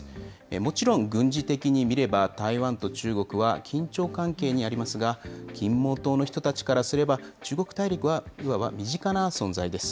もちろん軍事的に見れば、台湾と中国は緊張関係にありますが、金門島の人たちからすれば、中国大陸はいわば身近な存在です。